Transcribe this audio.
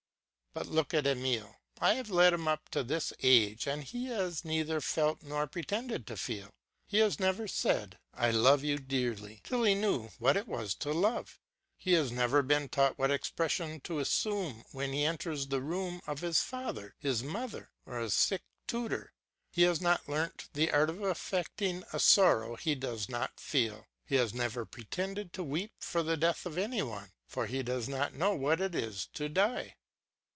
But look at Emile; I have led him up to this age, and he has neither felt nor pretended to feel. He has never said, "I love you dearly," till he knew what it was to love; he has never been taught what expression to assume when he enters the room of his father, his mother, or his sick tutor; he has not learnt the art of affecting a sorrow he does not feel. He has never pretended to weep for the death of any one, for he does not know what it is to die.